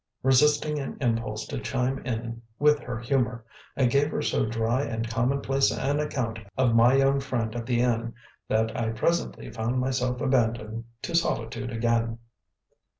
Resisting an impulse to chime in with her humour, I gave her so dry and commonplace an account of my young friend at the inn that I presently found myself abandoned to solitude again.